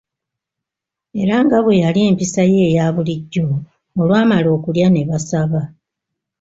Era nga bwe yali empisa ye eya bulijjo, olwamala okulya ne basaba.